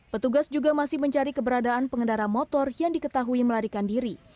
petugas juga masih mencari keberadaan pengendara motor yang diketahui melarikan diri